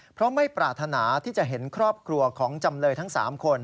เพราะไม่ปรารถนาที่จะเห็นครอบครัวของจำเลยทั้ง๓คน